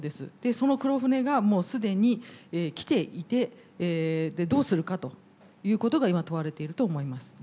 その黒船がもう既に来ていてどうするかということが今問われていると思います。